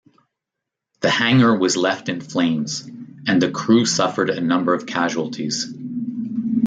The hangar was left in flames, and the crew suffered a number of casualties.